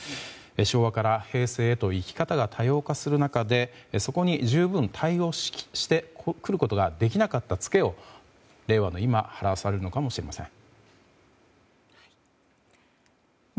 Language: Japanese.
昭和から平成へと生き方が多様化する中でそこに十分対応してくることができなかったツケを、令和の今払わされるのかもしれません。